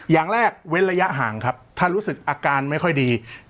อย่างแรกเว้นระยะห่างครับถ้ารู้สึกอาการไม่ค่อยดี